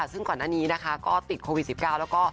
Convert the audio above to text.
ซึ่งก่อนหน้านี้นะคะก็ติดโควิด๑๙แล้วก็